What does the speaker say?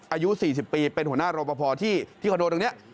อายุ๔๐ปีเป็นหัวหน้ารอปภที่คอนโดตรงนี้